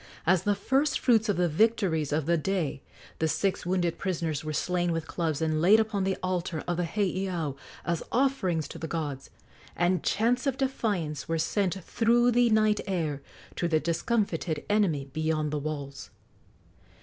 As the first fruits of the victories of the day, the six wounded prisoners were slain with clubs and laid upon the altar of the heiau as offerings to the gods, and chants of defiance were sent through the night air to the discomfited enemy beyond the walls.